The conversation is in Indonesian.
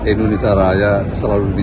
indonesia raya selalu di